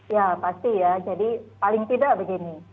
ya pasti ya jadi paling tidak begini